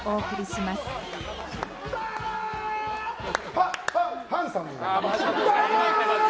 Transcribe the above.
ハ、ハ、ハンサム。